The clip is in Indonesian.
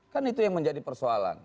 kan itu yang menjadi persoalan